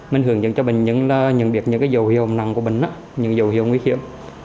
mình hướng dẫn cho bệnh nhân là nhận biết những dấu hiệu nặng của bệnh những dấu hiệu nguy hiểm